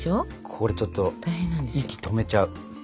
これちょっと息止めちゃう。